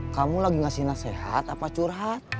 kamu lagi ngasih nasihat apa curhat